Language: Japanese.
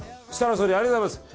総理ありがとうございます！